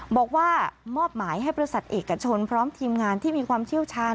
บอกว่ามอบหมายให้บริษัทเอกชนพร้อมทีมงานที่มีความเชี่ยวชาญ